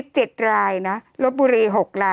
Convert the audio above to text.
โทษทีน้องโทษทีน้อง